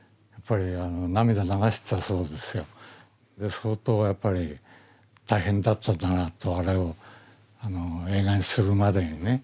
相当やっぱり大変だったんだなとあれを映画にするまでにね。